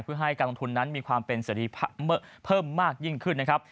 เพื่อให้การลงทุนนั้นมีความเป็นเสร็จเพิ่มมากยิ่งขึ้นนะครับ